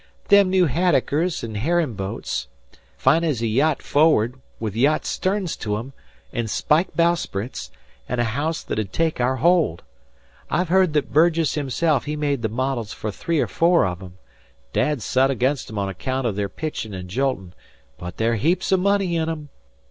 "Them new haddockers an' herrin' boats. Fine's a yacht forward, with yacht sterns to 'em, an' spike bowsprits, an' a haouse that 'u'd take our hold. I've heard that Burgess himself he made the models fer three or four of 'em. Dad's sot agin 'em on account o' their pitchin' an' joltin', but there's heaps o' money in 'em.